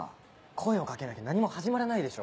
声を掛けなきゃ何も始まらないでしょ。